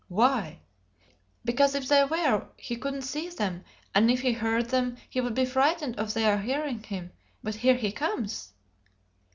"Why?" "Because if they were he couldn't see them, and if he heard them he would be frightened of their hearing him. But here he comes!"